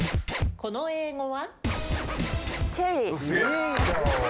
この英語は？